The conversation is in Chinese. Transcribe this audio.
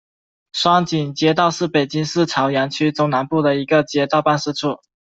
双井街道是北京市朝阳区中南部的一个街道办事处。